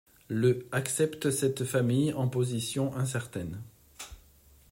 Le accepte cette famille, en position incertaine.